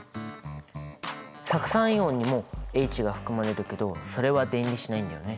酢酸イオンにもＨが含まれるけどそれは電離しないんだよね。